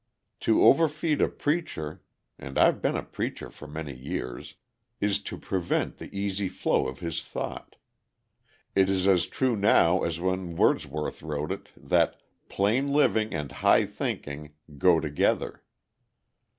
To overfeed a preacher (and I've been a preacher for many years) is to prevent the easy flow of his thought. It is as true now as when Wordsworth wrote it, that "plain living and high thinking" go together.